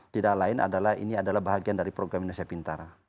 tidak lain ini adalah bagian dari program indonesia pintar